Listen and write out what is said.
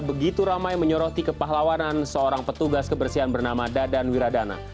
begitu ramai menyoroti kepahlawanan seorang petugas kebersihan bernama dadan wiradana